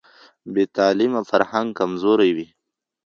بې تعلیمه فرهنګ کمزوری وي.